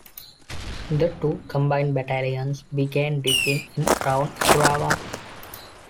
The two combined battalions began digging in around Isurava.